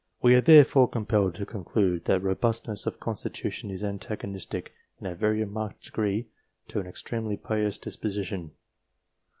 We are therefore compelled to conclude that robustness of constitution is antagonistic, in a very marked degree, to an extremely pious disposition.